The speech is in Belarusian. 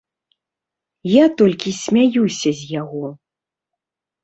Я толькі смяюся з яго.